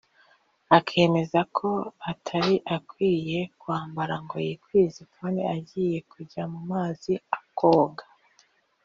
akemeza ko atari akwiriye kwambara ngo yikwize kandi agiye kujya mu mazi akoga